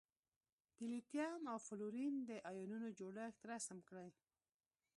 د لیتیم او فلورین د ایونونو جوړښت رسم کړئ.